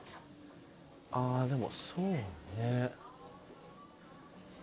あでもそうね。